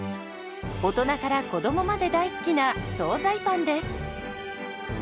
大人から子どもまで大好きな総菜パンです。